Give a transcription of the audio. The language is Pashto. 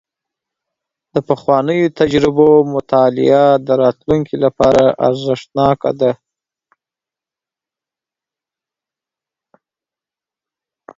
د پخوانیو تجربو مطالعه د راتلونکي لپاره ارزښتناکه ده.